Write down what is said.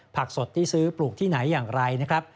ผักสดที่ซื้อปลูกที่ไหนอย่างไรนะครับ